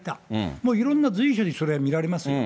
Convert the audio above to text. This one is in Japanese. もういろんな随所にそれは見られますよ。